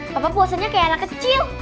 papa biasanya kayak anak kecil